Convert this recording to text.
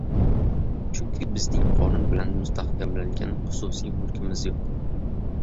Chunki bizning qonun bilan mustahkamlangan xususiy mulkimiz yo‘q.